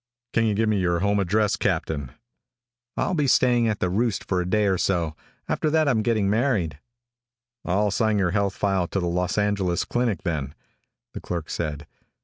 "Can you give me your home address, Captain?" "I'll be staying at the Roost for a day or so. After that I'm getting married." "I'll assign your health file to the Los Angeles Clinic then," the clerk said.